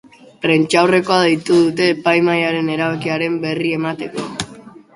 Prentsaurrekoa deitu dute epaimahaiaren erabakiaren berri emateko.